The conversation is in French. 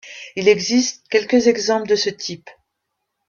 Il existe quelques exemples de ce type.